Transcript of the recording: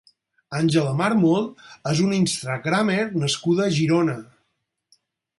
Àngela Mármol és una instagrammer nascuda a Girona.